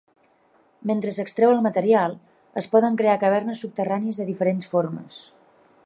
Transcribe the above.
Mentre s'extreu el material, es poden crear cavernes subterrànies de diferents formes.